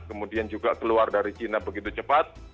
kemudian juga keluar dari china begitu cepat